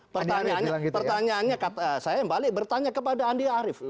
pertanyaannya kata saya kembali bertanya kepada andi arief